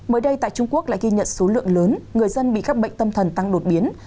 mới đây tại trung quốc lại ghi nhận số lượng lớn người dân bị các bệnh tâm thần tăng đột biến